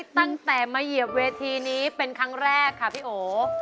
ตั้งแต่มาเหยียบเวทีนี้เป็นครั้งแรกค่ะพี่โอ